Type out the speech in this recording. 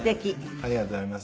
ありがとうございます。